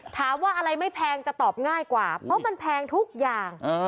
ถามว่าอะไรไม่แพงจะตอบง่ายกว่าเพราะมันแพงทุกอย่าง